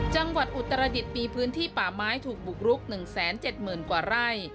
จังหวัดอุตรรดิตมีพื้นที่ป่าไม้ถูกบุกรุกหนึ่งแสนเจ็ดหมื่นกว่าไร่